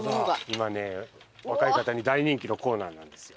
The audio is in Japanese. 今ね若い方に大人気のコーナーなんです。